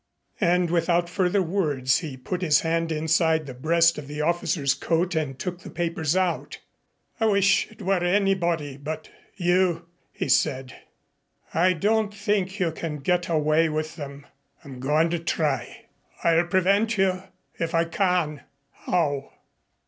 And without further words he put his hand inside the breast of the officer's coat and took the papers out. "I wish it were anybody but you," he said. "I don't think you can get away with them." "I'm going to try." "I'll prevent you if I can." "How?"